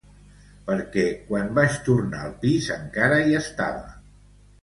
Perquè quan vaig tornar al pis, encara hi estava.